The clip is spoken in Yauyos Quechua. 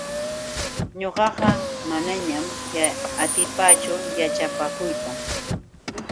Ñuqaqa manañam atipaachu yaćhapakuyta.